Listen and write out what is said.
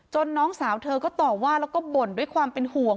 น้องสาวเธอก็ต่อว่าแล้วก็บ่นด้วยความเป็นห่วง